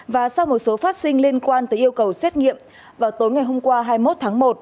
và sau một số phát sinh liên quan tới yêu cầu xét nghiệm vào tối ngày hôm qua hai mươi một tháng một